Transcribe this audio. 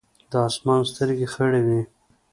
د اسمان سترګې خړې وې ـ